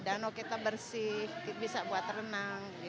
danau kita bersih bisa buat renang